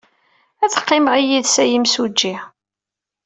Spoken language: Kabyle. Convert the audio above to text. Ad qqimeɣ yid-s a imsujji.